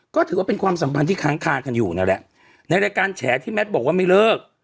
ก็ถือว่าเป็นความสัมพันธ์ที่ค้างคากันอยู่นั่นแหละในรายการแฉที่แมทบอกว่าไม่เลิก